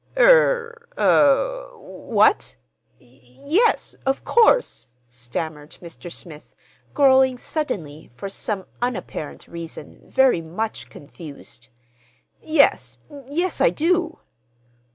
"Er—ah—w what? Y yes, of course," stammered Mr. Smith, growing suddenly, for some unapparent reason, very much confused. "Yes—yes, I do."